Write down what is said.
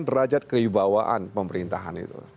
derajat keibawaan pemerintahan itu